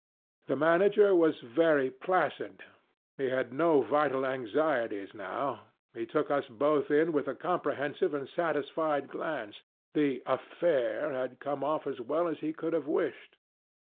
The manager was very placid, he had no vital anxieties now, he took us both in with a comprehensive and satisfied glance: the 'affair' had come off as well as could be wished.